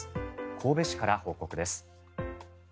神戸市から報告です。